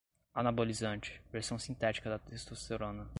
anabolizante, versão sintética da testosterona